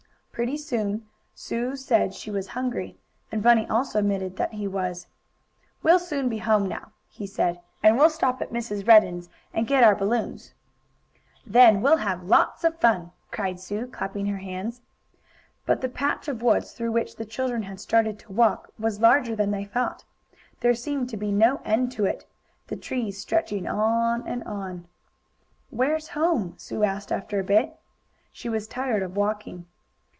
Pretty soon Sue said she was hungry, and Bunny also admitted that he was. "We'll coon be home now," he said. "And we'll stop at Mrs. Redden's, and get our balloons." "Then we'll have lots of fun!" cried Sue, clapping her hands. But the patch of woods through which the children had started to walk was larger than they thought. There seemed to be no end to it, the trees stretching on and on. "Where's home?" Sue asked, after a bit. She was tired of walking.